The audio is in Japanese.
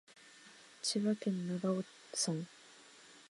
千葉県長生村